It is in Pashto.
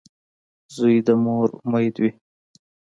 • زوی د مور امید وي.